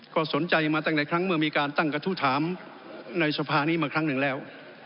ก็สนใจมาตั้งแต่ครั้งเมื่อมีการตั้งกระทู้ถามในสภานี้มาครั้งหนึ่งแล้ว